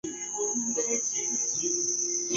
科克城则代表北爱尔兰。